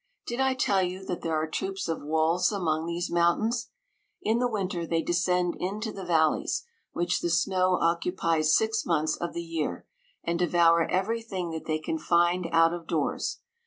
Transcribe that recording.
Did I tell you that there are troops of wolves among these mountains ? In the winter they descend into the val lies, whiph the snow occupies six months of the year, and devour every thing that they can find out of doors.